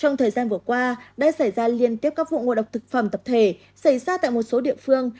trong thời gian vừa qua đã xảy ra liên tiếp các vụ ngộ độc thực phẩm tập thể xảy ra tại một số địa phương